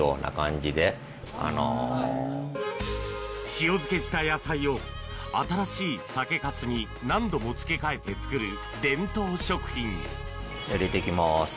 塩漬けした野菜を新しい酒粕に何度も漬け替えて作る伝統食品入れていきます。